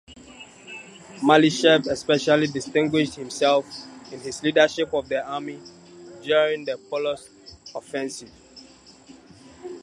Malyshev especially distinguished himself in his leadership of the army during the Polotsk offensive.